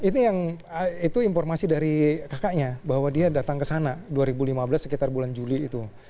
itu yang itu informasi dari kakaknya bahwa dia datang ke sana dua ribu lima belas sekitar bulan juli itu